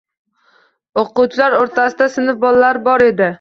O‘quvchilar orasida sinf bolalari bor edi.